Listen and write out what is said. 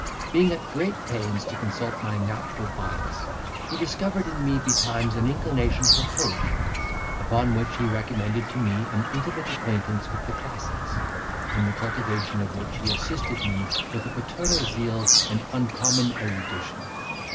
Being at great pains to consult my natural bias, He discovered in me betimes an inclination for poetry; upon which he recommended to me an intimate acquaintance with the classics, in the cultivation of which he assisted me with a paternal zeal and uncommon erudition.